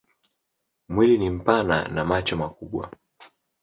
Mwili ni mpana na macho makubwa.